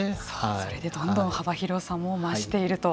それでどんどん幅広さも増していると。